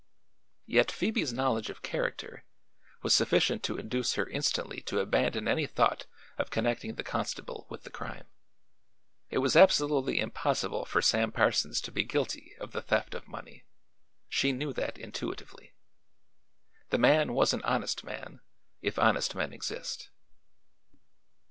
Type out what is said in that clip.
Yet Phoebe's knowledge of character was sufficient to induce her instantly to abandon any thought of connecting the constable with the crime. It was absolutely impossible for Sam Parsons to be guilty of the theft of money. She knew that intuitively. The man was an honest man, if honest men exist.